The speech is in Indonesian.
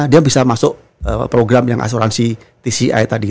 dia bisa masuk program yang asuransi tci tadi